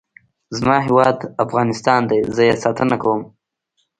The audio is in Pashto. زما هیواد افغانستان دی. زه یې ساتنه کوم.